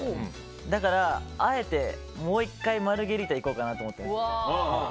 だから、あえてもう１回マルゲリータいこうかなと思ってます。